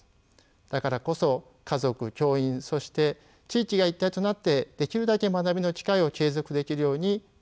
だからこそ家族教員そして地域が一体となってできるだけ学びの機会を継続できるように協力しなければなりません。